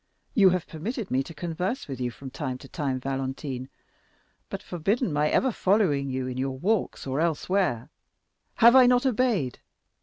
You have permitted me to converse with you from time to time, Valentine, but forbidden my ever following you in your walks or elsewhere—have I not obeyed?